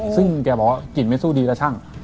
ซึ่งแกบอกว่ากลิ่นไม่สู้ดีแล้วช่าง